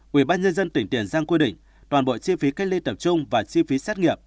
quỹ ban nhân dân tỉnh tiền giang quy định toàn bộ chi phí cách ly tập trung và chi phí xét nghiệm